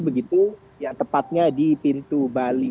begitu yang tepatnya di pintu bali